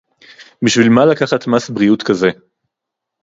בשביל מה לקחת מס בריאות כזה